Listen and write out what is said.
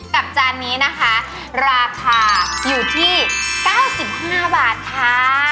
จานนี้นะคะราคาอยู่ที่๙๕บาทค่ะ